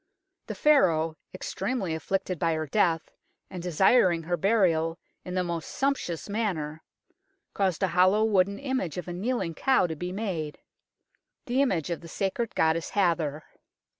The Pharaoh, extremely afflicted by her death, and desiring her burial in the most sumptuous manner, caused a hollow wooden image of a kneeling cow to be made, 4he image of the sacred goddess Hathor.